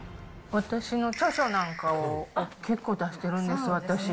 私の著書なんかを、結構出してるんです、私。